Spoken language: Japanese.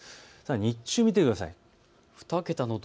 日中を見てください。